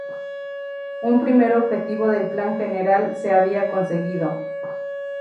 Un primer objetivo del plan general se había conseguido.